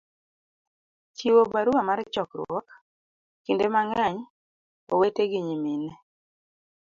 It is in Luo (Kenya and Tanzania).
Chiwo barua mar chokruok, Kinde mang'eny, owete gi nyimine